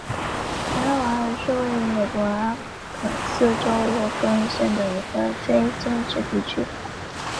德拉瓦尔是位于美国阿肯色州洛根县的一个非建制地区。